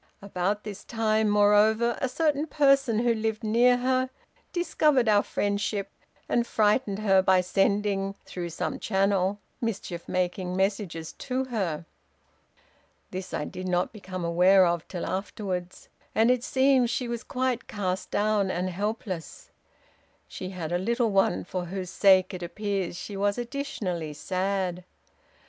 About this time, moreover, a certain person who lived near her, discovered our friendship, and frightened her by sending, through some channel, mischief making messages to her. This I did not become aware of till afterwards, and, it seems, she was quite cast down and helpless. She had a little one for whose sake, it appears, she was additionally sad.